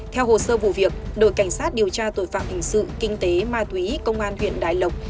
theo hồ sơ vụ việc đội cảnh sát điều tra tội phạm hình sự kinh tế ma túy công an huyện đại lộc